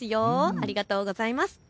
ありがとうございます。